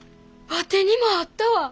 ワテにもあったわ！